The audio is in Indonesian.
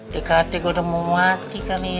dekati gue udah mau mati kali ya